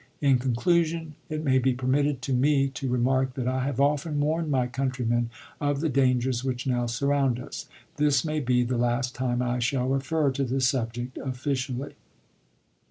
.. In conclusion it may be permitted to jj^8!8^ me to remark that I have often warned my countrymen " Globe," of the dangers which now surround us. This may be the p. 295. last time I shall refer to the subject officially.